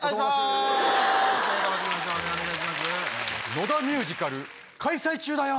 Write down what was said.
野田ミュージカル開催中だよ！